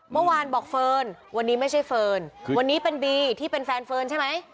เมื่อวานบอกเฟิร์นวันนี้ไม่ใช่เฟิร์นวันนี้เป็นบีที่เป็นแฟนเฟิร์นใช่ไหม